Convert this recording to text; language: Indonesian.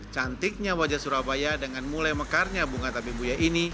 cantiknya wajah surabaya dengan mulai mekarnya bunga tabibuya ini